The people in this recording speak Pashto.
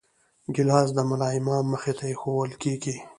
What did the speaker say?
ګیلاس د ملا امام مخې ته ایښوول کېږي.